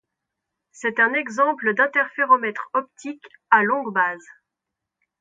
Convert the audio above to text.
C'est un exemple d'interféromètre optique à longue base.